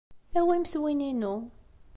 Awimt win-inu.